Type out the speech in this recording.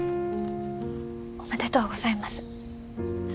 おめでとうございます。